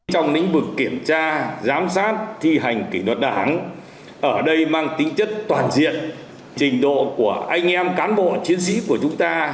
trong lĩnh vực kiểm tra giám sát thi hành kỷ luật đảng ở đây mang tính chất toàn diện trình độ của anh em cán bộ chiến sĩ của chúng ta